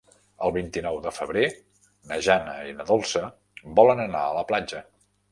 El vint-i-nou de febrer na Jana i na Dolça volen anar a la platja.